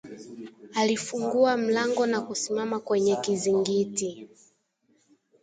Alifungua mlango na kusimama kwenye kizingiti